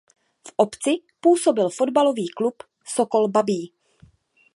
V obci působil fotbalový klub Sokol Babí.